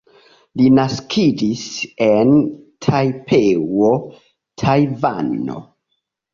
Li naskiĝis en Tajpeo, Tajvano.